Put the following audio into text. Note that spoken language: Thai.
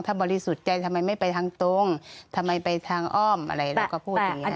ถ้าบริสุทธิ์ใจทำไมไม่ไปทางตรงทำไมไปทางอ้อมอะไรเราก็พูดอย่างนี้